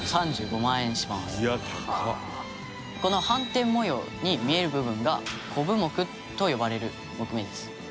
この斑点模様に見える部分がコブ杢と呼ばれる杢目です。